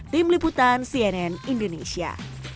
tim liputan cnn indonesia